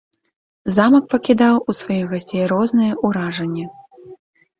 Замак пакідаў у сваіх гасцей розныя ўражанні.